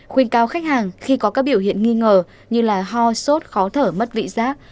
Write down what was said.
khuyên cáo khách hàng khi có các biểu hiện nghi ngờ như ho sốt khó thở mất vị giác